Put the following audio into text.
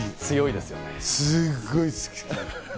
これ、すごい好き。